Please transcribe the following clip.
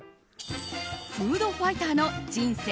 フードファイターの人生